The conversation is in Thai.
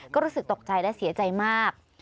ก็รู้สึกตกใจและเสียใจมาก